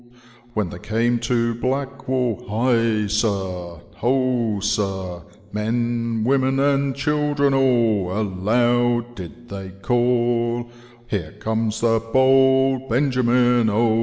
" When they came to Black wall. High sir, ho sir, Men, women, and children all Aloud did they call, * Hero comes the Bold Benjamin, O.'